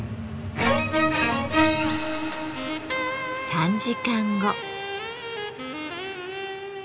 ３時間後。